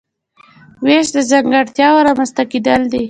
وېش د ځانګړتیاوو رامنځته کیدل دي.